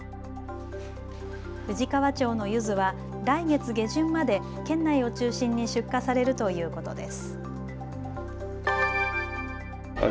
富士川町のゆずは来月下旬まで県内を中心に出荷されるということです。